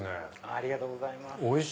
ありがとうございます。